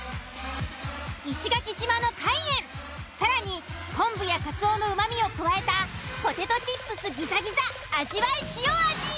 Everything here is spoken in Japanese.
石垣島の海塩更に昆布やかつおのうまみを加えたポテトチップスギザギザ味わいしお味。